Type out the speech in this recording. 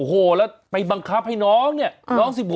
โอ้โหแล้วไปบังคับให้น้องเนี่ยน้อง๑๖